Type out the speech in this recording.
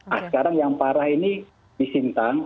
nah sekarang yang parah ini di sintang